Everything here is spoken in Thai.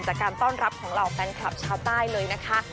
จากการต้อนรับของเหล่าแฟนคลับชาวใต้เลยนะคะ